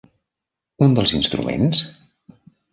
Un dels instruments?